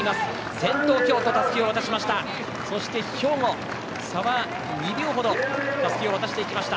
先頭、京都たすきを渡しました。